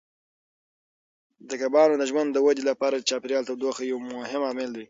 د کبانو د ژوند او ودې لپاره د چاپیریال تودوخه یو مهم عامل دی.